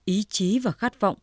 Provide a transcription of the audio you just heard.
ý chí và khát vọng